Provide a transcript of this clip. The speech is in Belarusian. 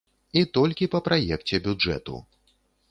І толькі па праекце бюджэту.